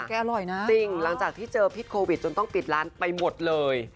อร่อยนะจริงหลังจากที่เจอพิษโควิดจนต้องปิดร้านไปหมดเลย